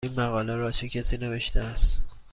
این مقاله را چه کسی نوشته است؟